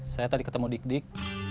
saya tadi ketemu dik dik